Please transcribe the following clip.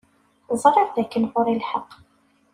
Ẓṛiɣ dakken ɣuṛ-i lḥeɣ.